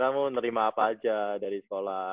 kamu nerima apa aja dari sekolah